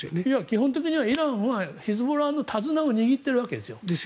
基本的にはイランはヒズボラの手綱を握ってるわけですよ。